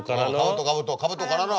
かぶとからの。